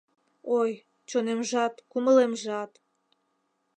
Ой, чонемжат-кумылемжат